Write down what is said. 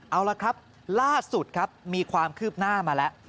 เอาละครับล่าสุดครับมีความคืบหน้ามาแล้ว